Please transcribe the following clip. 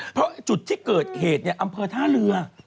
เพราะจุดที่เกิดเหตุอำเภอท่าเรือ